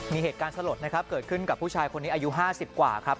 มีเหตุการณ์สลดนะครับเกิดขึ้นกับผู้ชายคนนี้อายุ๕๐กว่าครับ